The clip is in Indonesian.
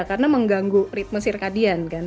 karena mengganggu ritme sirkadian kan